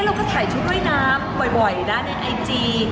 เราก็ถ่ายชุดก้วยน้ำบ่อยด้านไอจี